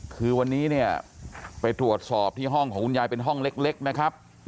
คือวันนี้เนี่ยไปตรวจสอบที่ห้องของคุณยายเป็นห้องเล็กนะครับ